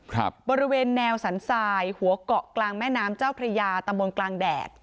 บริเวณแนวสันทรายหัวเกาะกลางแม่น้ำเจ้าพระยาตำบลกลางแดด